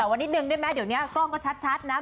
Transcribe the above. วันนิดนึงได้ไหมเดี๋ยวนี้กล้องก็ชัดนะ